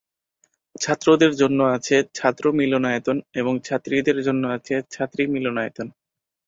ছাত্রদের জন্য আছে ছাত্র মিলনায়তন এবং ছাত্রীদের জন্য ছাত্রী মিলনায়তন।